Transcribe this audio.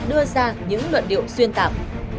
đưa ra những luận điệu xuyên tạp